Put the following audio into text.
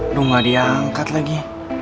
aduh gak diangkat lagi